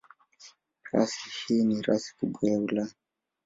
Rasi hii ni rasi kubwa ya Ulaya.